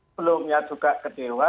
sebelumnya juga ke dewa